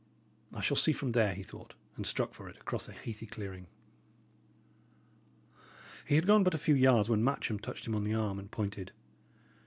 "I shall see from there," he thought, and struck for it across a heathy clearing. He had gone but a few yards, when Matcham touched him on the arm, and pointed.